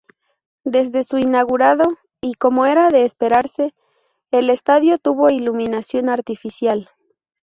Desde ser inaugurado, y como era de esperarse, el estadio tuvo iluminación artificial.